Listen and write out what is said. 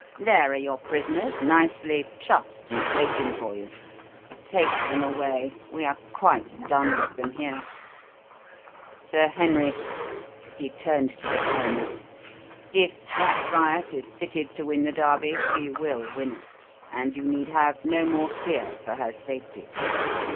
"There are your prisoners nicely trussed and waiting for you. Take them away we are quite done with them here. Sir Henry" he turned to the baronet "if Black Riot is fitted to win the Derby she will win it, and you need have no more fear for her safety.